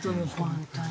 本当に。